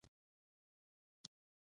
موږ فکر کاوه چې میښه زموږ خبرې اوري، خو نه.